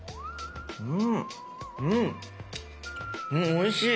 おいしい！